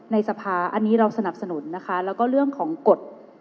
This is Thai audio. ในสภาอันนี้เราสนับสนุนนะคะแล้วก็เรื่องของกฎ